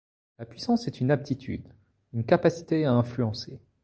La puissance est une aptitude, une capacité à influencer.